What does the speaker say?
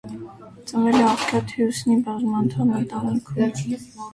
Ծնվել է աղքատ հյուսնի բազմանդամ ընտանիքում։